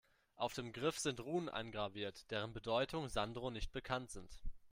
Auf dem Griff sind Runen eingraviert, deren Bedeutung Sandro nicht bekannt sind.